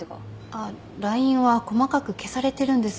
あっＬＩＮＥは細かく消されてるんです。